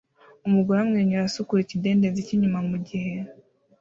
Umugore amwenyura asukura ikidendezi cyinyuma mugihe